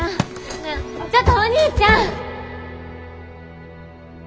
なあちょっとお兄ちゃん！